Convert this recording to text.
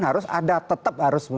harus ada tetap harus